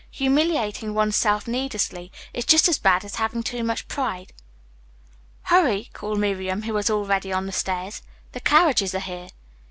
"Humiliating one's self needlessly is just as bad as having too much pride." "Hurry," called Miriam, who was already on the stairs. "The carriages are here."